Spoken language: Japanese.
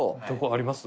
あります？